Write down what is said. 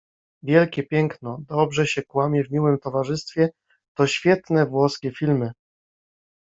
Wielkie Piękno, Dobrze się kłamie w miłym towarzystwie to świetne włoskie filmy.